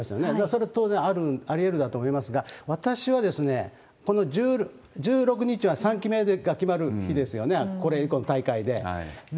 それは当然ありえると思いますが、私は、この１６日は３期目が決まる日ですよね、これ以降の大会で。